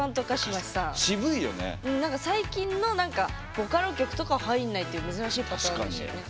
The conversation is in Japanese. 最近のボカロ曲とかは入んないっていう珍しいパターンでしたよね。